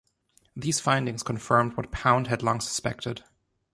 These findings confirmed what Pound had long suspected.